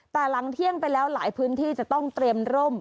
แต่หลังเที่ยงไปแล้วหลายพื้นที่จะต้องเตรียมร่ม